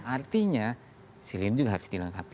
artinya siline juga harus dilengkapi